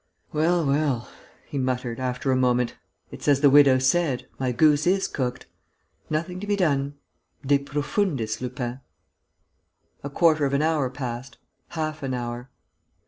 "Well, well," he muttered, after a moment, "it's as the widow said: my goose is cooked. Nothing to be done. De profundis, Lupin." A quarter of an hour passed, half an hour....